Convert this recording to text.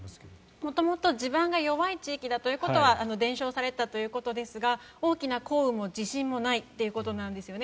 元々地盤が弱い地域だということは伝承されていたということですが大きな降雨も地震もないということなんですね。